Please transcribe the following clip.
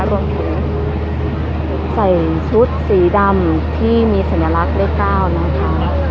รวมถึงใส่ชุดสีดำที่มีสัญลักษณ์เลข๙นะคะ